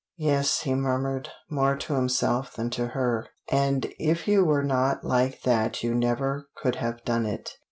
"Yes," he murmured, more to himself than to her, "and if you were not like that you never could have done it."